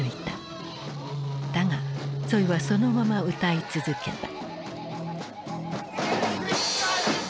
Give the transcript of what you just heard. だがツォイはそのまま歌い続けた。